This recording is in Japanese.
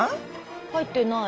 入ってない。